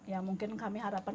ya mungkin kami harapan